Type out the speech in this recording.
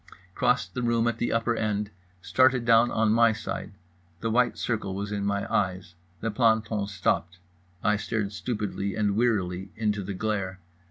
Crossed the room at the upper end. Started down on my side. The white circle was in my eyes. The planton stopped. I stared stupidly and wearily into the glare.